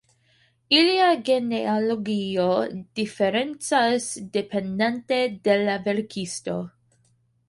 Ilia genealogio diferencas dependante de la verkisto.